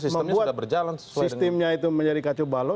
membuat sistemnya itu menjadi kacau balok